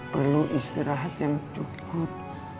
perlu istirahat yang cukup